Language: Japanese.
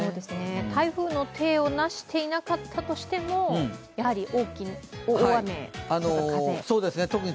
台風の体をなしていなかったとしても、大雨とか風に。